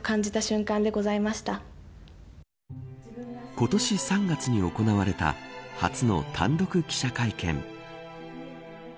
今年３月に行われた初の単独記者会見。